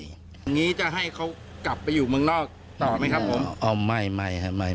อย่างนี้จะให้เขากลับไปอยู่เมืองนอกต่อไหมครับผม